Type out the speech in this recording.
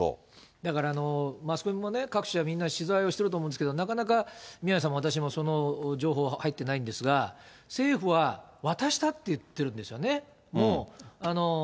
だから、マスコミも各社、取材をしてると思うんですけど、なかなか宮根さんも、私もその情報は入ってないんですが、政府は渡したって言ってるんですよね、もう。